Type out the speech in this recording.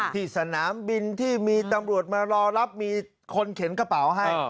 ที่สนามบินที่มีตำรวจมารอรับมีคนเข็นกระเป๋าให้